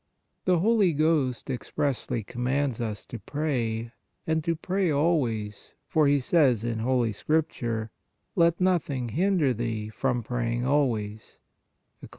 The Holy Ghost expressly commands us to pray, and to pray always, for He says in Holy Scripture :" Let nothing hinder thee from praying always" (Eccli.